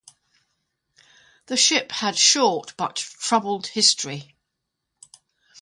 The ship had short but troubled history.